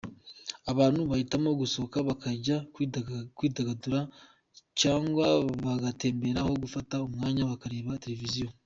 Abantu bahitamo gusohoka bakajya kwidagadura cyangwa bagatembera aho gufata umwanya bakareba televiziyo.